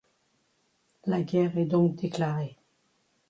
La guerre est donc déclarée.